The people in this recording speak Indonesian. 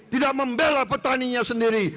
tidak membela petaninya sendiri